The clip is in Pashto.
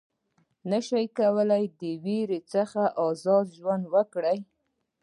نه شي کولای د وېرې څخه آزاد ژوند وکړي.